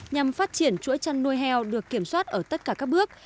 nhằm phát triển chuỗi chăn nuôi heo được kiểm soát ở tất cả các bước